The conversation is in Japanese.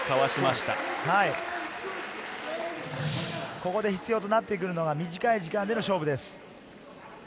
ここで必要となってくるのは、短い時間での勝負です。